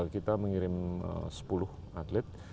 kita mengirim sepuluh atlet